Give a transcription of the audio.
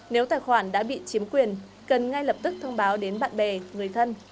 nếu tài khoản đã bị chiếm quyền cần ngay lập tức thông báo đến bạn bè người thân